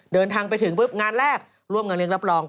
เดินทางไปถึงปุ๊บงานแรกร่วมกันเลี้ยรับรอง